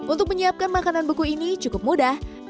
untuk menyiapkan makanan beku ini cukup mudah